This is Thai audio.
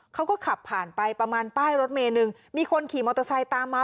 เขาก็ขับผ่านไปประมาณป้ายรถเมนึงมีคนขี่มอเตอร์ไซค์ตามมา